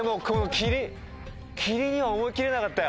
「きり」には思い切れなかったよ。